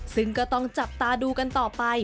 ซึ่งก็ต้องจับตาดูกันต่อไป